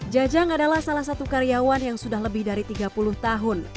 jajang adalah salah satu karyawan yang sudah lebih dari tiga puluh tahun